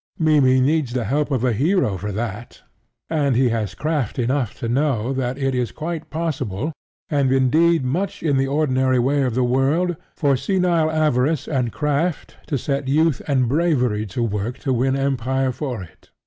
Mimmy needs the help of a hero for that; and he has craft enough to know that it is quite possible, and indeed much in the ordinary way of the world, for senile avarice and craft to set youth and bravery to work to win empire for it.